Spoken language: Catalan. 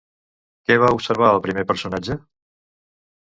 Què va observar el primer personatge?